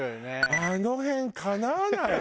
あの辺かなわないもん。